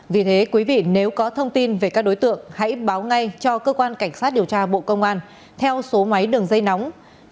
vì thế quý vị nếu có thông tin về các đối tượng hãy báo ngay cho cơ quan cảnh sát điều tra bộ công an theo số máy đường dây nóng sáu mươi chín hai trăm ba mươi bốn năm nghìn tám trăm sáu mươi